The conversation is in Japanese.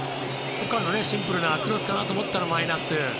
そこからのシンプルなクロスかなと思ったらマイナス。